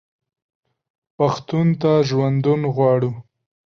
پښتون ته ژوندون غواړو.